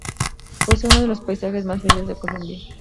Posee uno de los paisajes más bellos de Colombia.